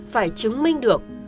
phải chứng minh được